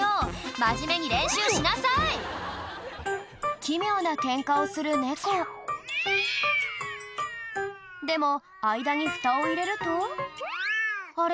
真面目に練習しなさい奇妙なケンカをする猫でも間にフタを入れるとあれ？